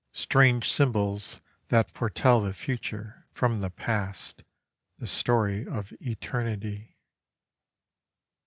23 Strange symbols that foretell the future From the past, the story of eternity.